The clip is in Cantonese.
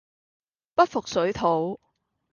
不服水土